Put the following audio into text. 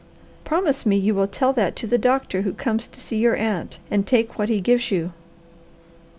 "Promise me you will tell that to the doctor who comes to see your aunt, and take what he gives you."